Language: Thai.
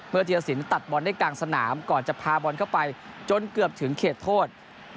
ธีรสินตัดบอลได้กลางสนามก่อนจะพาบอลเข้าไปจนเกือบถึงเขตโทษ